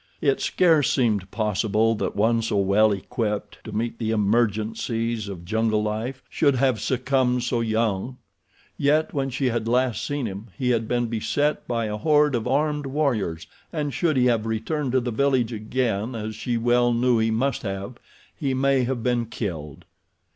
It scarce seemed possible that one so well equipped to meet the emergencies of jungle life should have succumbed so young; yet when she had last seen him he had been beset by a horde of armed warriors, and should he have returned to the village again, as she well knew he must have, he may have been killed.